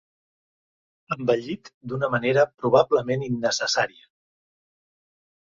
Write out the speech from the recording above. Embellit d'una manera probablement innecessària.